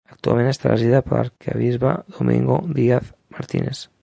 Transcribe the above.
Actualment està regida per l'arquebisbe Domingo Díaz Martínez.